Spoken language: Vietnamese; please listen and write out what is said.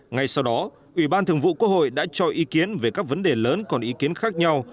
ngay sau đó ủy ban thường vụ quốc hội đã cho ý kiến về các vấn đề lớn còn ý kiến khác nhau